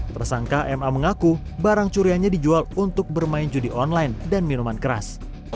tersangka ma mengaku barang curiannya dijual untuk bermain judi online dan minuman keras